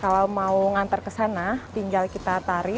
kalau mau nganter ke sana tinggal kita tarik